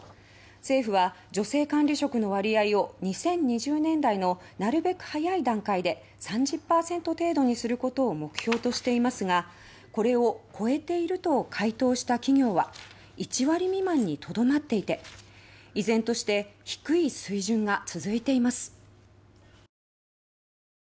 政府は女性管理職の割合を２０２０年代のなるべく早い段階で３０％程度にすることを目標としていますがこれを超えていると回答した企業は１割未満にとどまっていて依然として低い水準が続いています。